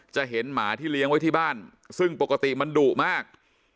จะเห็นหมาที่เลี้ยงไว้ที่บ้านซึ่งปกติมันดุมาก